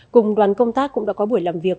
cùng đoàn công tác cũng đã có buổi làm việc